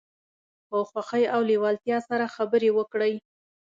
په خوښۍ او لیوالتیا سره خبرې وکړئ.